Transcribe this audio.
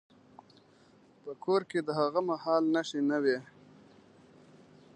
په کور کې د هغه مهال نښې نه وې.